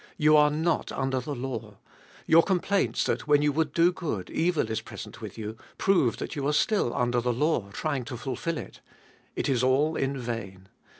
You are not under the law. Your complaints that when you would do good, evil is present with you, prove that you are still under the law, trying to fulfil it. It is all in vain.